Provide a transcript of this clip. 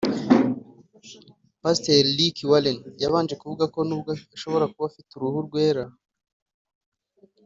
Pasiteri Rick Warren yabanje kuvuga ko nubwo ashobora kuba afite uruhu rwera